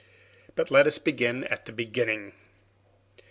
But let us begin at the beginning.